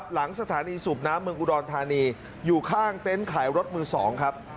หลังสถานีสูบน้ำเมืองอุดรธานีอยู่ข้างเต็นต์ขายรถมือ๒ครับ